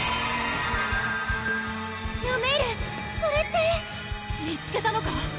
ラメールそれって見つけたのか！